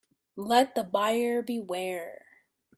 Let the buyer beware.